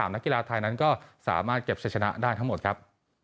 ๓นักกีฬาแทนก็สามารถเก็บชนะได้ทั้งหมดครับ